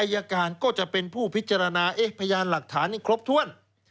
อายการก็จะเป็นผู้พิจารณาพยานหลักฐานนี่ครบถ้วน